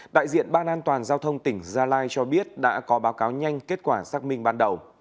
đại diện ban an toàn giao thông tỉnh gia lai cho biết đã có báo cáo nhanh kết quả xác minh ban đầu